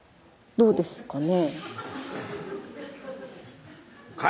「どうですかね？」